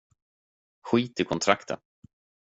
Skit i kontraktet!